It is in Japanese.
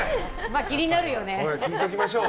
聞いておきましょう。